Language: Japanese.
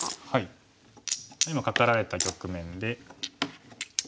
今カカられた局面で。